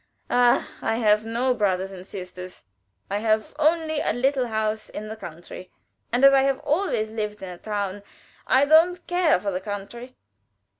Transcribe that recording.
"Ah! I have no brothers and sisters. I have only a little house in the country, and as I have always lived in a town, I don't care for the country.